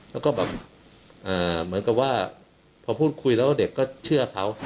แล้วก็แบบเหมือนกับว่าพอพูดคุยแล้วเด็กก็เชื่อเขา